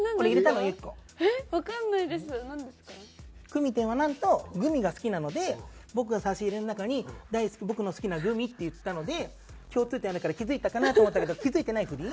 くみてんはなんとグミが好きなので僕は「差し入れの中に僕の好きなグミ」って言ったので共通点あるから気付いたかな？と思ったけど気付いてないふり？